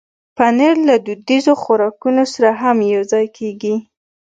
پنېر له دودیزو خوراکونو سره هم یوځای کېږي.